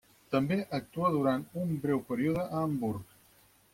També actua durant un breu període a Hamburg.